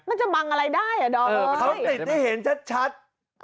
มันจะบังอะไรได้๊อมเอ๊ย